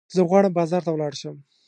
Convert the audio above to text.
زه غواړم بازار ته ولاړ شم.